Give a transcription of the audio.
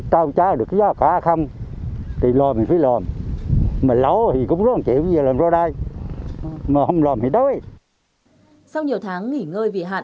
sau nhiều tháng nghỉ ngơi vì hạn